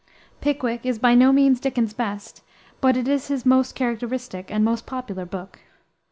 Pickwick is by no means Dickens's best, but it is his most characteristic, and most popular, book.